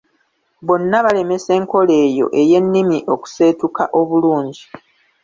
Bonna balemesa enkola eyo ey’ennimi okuseetuka obululngi.